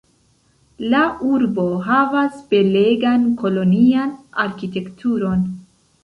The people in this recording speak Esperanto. La urbo havas belegan kolonian arkitekturon.